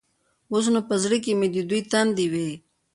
اوس نو په زړه کښې مې دوې تندې وې.